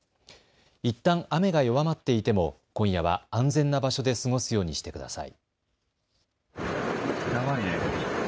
いったん雨が弱まっていても今夜は安全な場所で過ごすようにしてください。